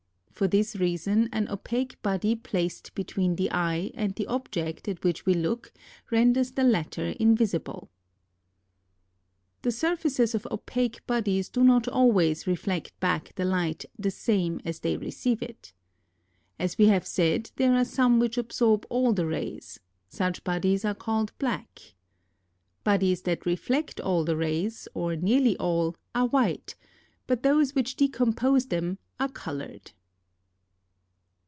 For this reason, an opaque body placed between the eye, and the object at which we look, renders the latter invi 9. The surfaces of opaque bodies do not always reflect back the light the same as they receive it. As we have said, then some which absorb all the rays; such bodies are called black. Bodies that reflect all the rays, or nearly all, are white, but those which decompose them, are coloured.